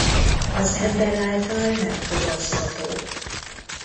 Az ember által nem fogyasztható.